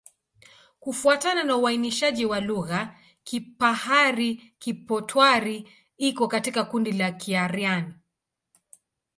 Kufuatana na uainishaji wa lugha, Kipahari-Kipotwari iko katika kundi la Kiaryan.